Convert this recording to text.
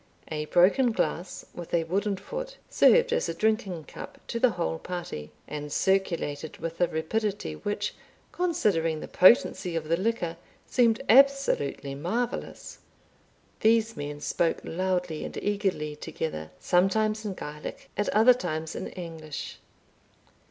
A broken glass, with a wooden foot, served as a drinking cup to the whole party, and circulated with a rapidity, which, considering the potency of the liquor, seemed absolutely marvellous. These men spoke loudly and eagerly together, sometimes in Gaelic, at other times in English.